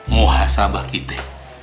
nguha sabah kita